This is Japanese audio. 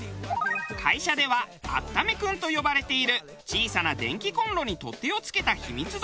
会社ではあっためくんと呼ばれている小さな電気コンロに取っ手を付けた秘密道具。